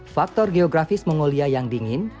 faktor geografis mongolia yang dingin